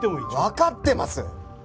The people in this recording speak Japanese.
わかってます！